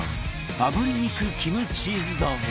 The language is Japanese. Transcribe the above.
あぶり肉キムチーズ丼